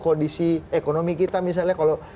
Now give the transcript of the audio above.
kondisi ekonomi kita misalnya kalau